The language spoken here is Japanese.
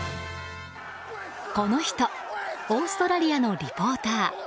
この人オーストラリアのリポーター。